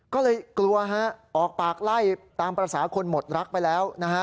ก็เลยกลัวออกปากไล่ตามปราศาคนหมดรักไปแล้ว